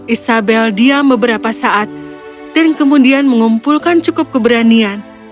isabel diam beberapa saat dan kemudian mengumpulkan cukup keberanian